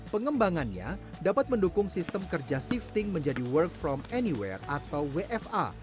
pengembangannya dapat mendukung sistem kerja shifting menjadi work from anywhere atau wfa